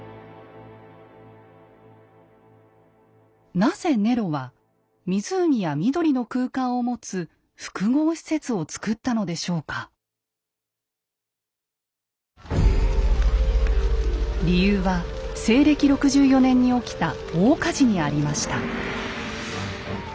なぜネロは湖や緑の空間を持つ理由は西暦６４年に起きた大火事にありました。